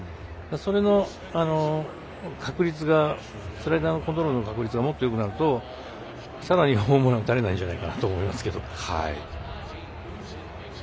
それの確率がスライダーのコントロールの確率がもっとよくなるとさらにホームラン打たれないんじゃないかなと思いますけど。